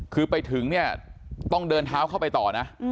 คือไปถึงเนี่ยต้องเดินเท้าเข้าไปต่อนะ